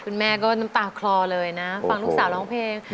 แม่ก็น้ำตาคลอเลยนะฟังลูกสาวร้องเพลง